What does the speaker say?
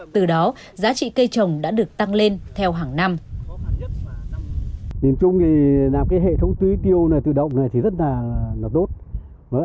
từ đó giá trị cây trồng đã được tăng lên theo hàng năm